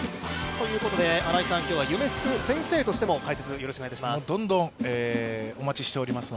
新井さん、今日は夢すく先生としても解説をよろしくお願いします。